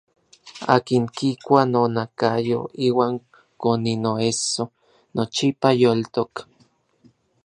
Akin kikua nonakayo iuan koni noesso nochipa yoltok.